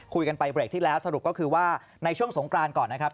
คุยกันไปเบรกที่แล้วสรุปก็คือว่าในช่วงสงกรานก่อนนะครับ